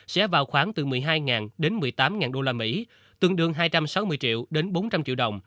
sẽ vào khoảng từ một mươi hai đến một mươi tám usd tương đương hai trăm sáu mươi triệu đến bốn trăm linh triệu đồng